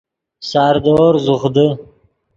ساردور زوخ دے